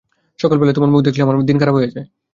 সকালবেলায় তোমার মুখ দেখলে আমার দিন খারাপ যায়।